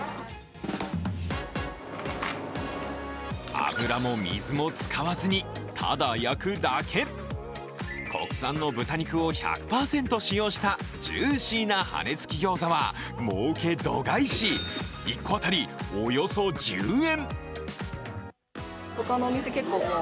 油も水も使わずに、ただ焼くだけ国産の豚肉を１００％使用したジューシーな羽根つきギョーザはもうけ度外視１個当たりおよそ１０円。